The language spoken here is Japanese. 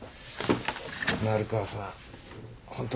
丸川さん